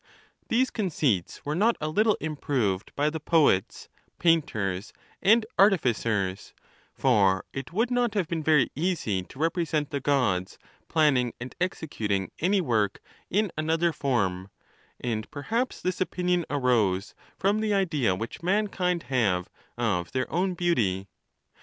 These conceits were not a little improved by the poets, painters, and artiiicers ; for it would not have been very easy to repi'esent the Gods planning and executing any work in another form, and perhaps this opinion arose from the idea which mankind have of their own beauty.